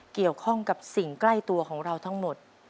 เกี่ยวข้องกับสิ่งใกล้ตัวของเราทั้งหมด